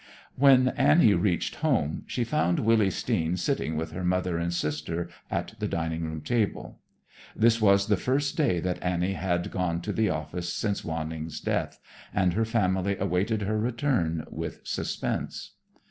When Annie reached home she found Willy Steen sitting with her mother and sister at the dining room table. This was the first day that Annie had gone to the office since Wanning's death, and her family awaited her return with suspense.